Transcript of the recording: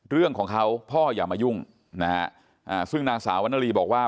เรื่องของเขาพ่ออย่ามายุ่งนะฮะซึ่งนางสาววรรณรีบอกว่า